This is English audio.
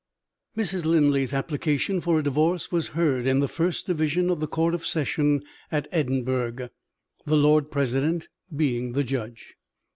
Mrs. Linley's application for a Divorce was heard in the first division of the Court of Session at Edinburgh, the Lord President being the judge.